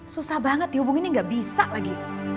susah banget dihubungin nih gak bisa lagi